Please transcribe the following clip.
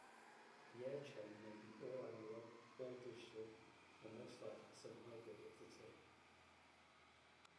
The airchain may be all-analogue, all-digital, or most likely some hybrid of the two.